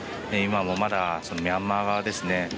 今もまだミャンマー側ですね